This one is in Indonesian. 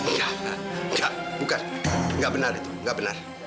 enggak enggak bukan gak benar itu gak benar